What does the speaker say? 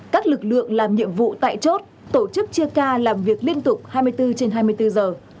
các lực lượng làm nhiệm vụ tại chốt tổ chức chia ca làm việc liên tục hai mươi bốn trên hai mươi bốn giờ